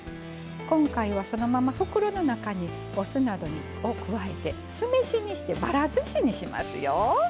今回はそのまま袋の中にお酢などを加えて酢飯にしてばらずしにしますよ。